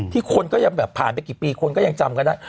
คนก็ยังแบบผ่านไปกี่ปีคนก็ยังจำกันได้